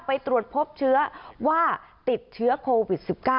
ไปตรวจพบเชื้อว่าติดเชื้อโควิด๑๙